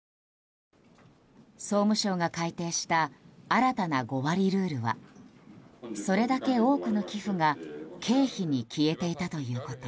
総務省が改定した新たな５割ルールはそれだけ多くの寄付が経費に消えていたということ。